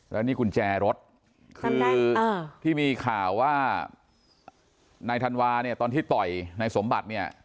แล้วนี่กุญแจรถคือที่มีข่าวว่านายธันวาเนี่ยตอนที่ต่อยนายสมบัติเนี่ย